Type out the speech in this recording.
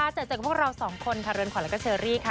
เจอเจอกับพวกเราสองคนค่ะเรือนขวัญแล้วก็เชอรี่ค่ะ